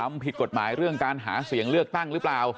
ทำผิดกฎหมายเรื่องการหาเสียงเลือกตั้ง